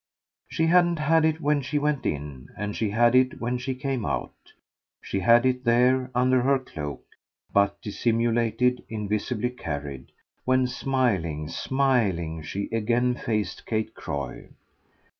She hadn't had it when she went in, and she had it when she came out; she had it there under her cloak, but dissimulated, invisibly carried, when smiling, smiling, she again faced Kate Croy.